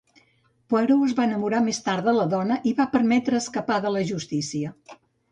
Poirot es va enamorar més tard de la dona i va permetre escapar de la justícia.